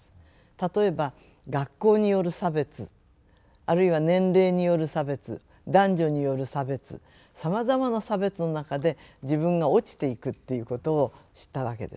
例えば学校による差別あるいは年齢による差別男女による差別さまざまな差別の中で自分が落ちていくっていうことを知ったわけです。